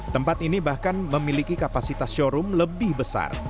tempat ini bahkan memiliki kapasitas showroom lebih besar